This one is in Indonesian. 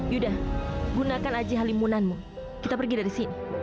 yuda gunakan aji halimunanmu kita pergi dari sini